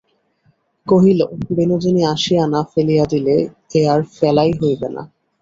কহিল, বিনোদিনী আসিয়া না ফেলিয়া দিলে, ও আর ফেলাই হইবে না।